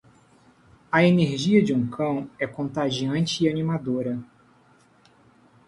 A energia de um cão é contagiante e animadora.